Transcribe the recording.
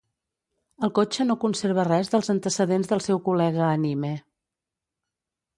El cotxe no conserva res dels antecedents del seu col·lega anime.